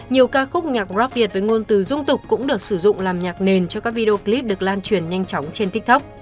nhiều ca khúc nhạc grab việt với ngôn từ dung tục cũng được sử dụng làm nhạc nền cho các video clip được lan truyền nhanh chóng trên tiktok